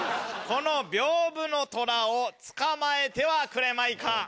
このびょうぶのトラを捕まえてはくれまいか？